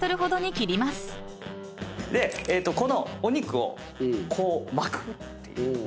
このお肉をこう巻くっていう。